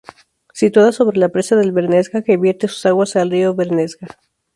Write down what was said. Situada sobre la presa del Bernesga que vierte sus aguas al río Bernesga.